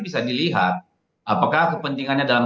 bisa dilihat apakah kepentingannya dalam